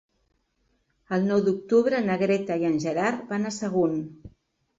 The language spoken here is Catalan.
El nou d'octubre na Greta i en Gerard van a Sagunt.